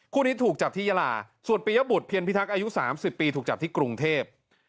คู่นี้ถูกจับที่ยาลาส่วนปียบุตรเพียรพิทักษ์อายุ๓๐ปีถูกจับที่กรุงเทพ